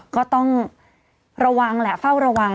ก็ต้องระวังแหละเฝ้าระวัง